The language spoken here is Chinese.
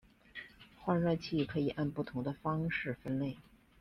换热器可以按不同的方式分类。